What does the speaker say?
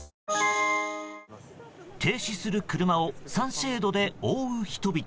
停止する車をサンシェードで覆う人々。